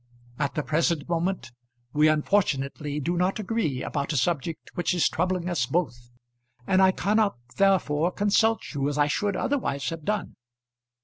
At the present moment we unfortunately do not agree about a subject which is troubling us both, and I cannot therefore consult you as I should otherwise have done.